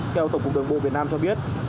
theo tổng cục đường bộ việt nam cho biết